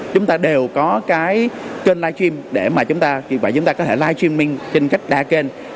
chúng ta đều có cái kênh live stream để mà chúng ta có thể live streaming trên cách đa kênh